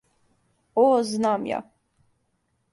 О, знам ја.